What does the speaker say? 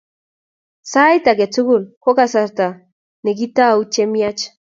Sait age tugul ko kasarta ne kitou chemiach